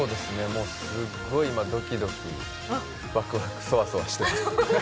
すっごい今どきどきワクワクそわそわしています。